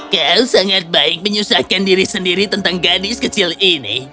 kel sangat baik menyusahkan diri sendiri tentang gadis kecilnya